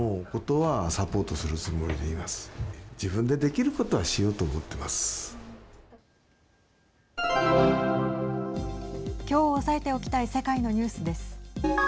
きょう押さえておきたい世界のニュースです。